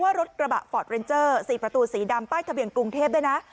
รถกระบะฟอร์ดเรนเจอร์๔ประตูสีดำป้ายทะเบียนกรุงเทพด้วยนะ